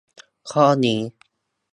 ข้อนี้